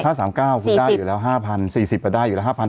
ถ้า๓๙คุณได้อยู่แล้ว๕๐๔๐ก็ได้อยู่แล้ว๕๐๐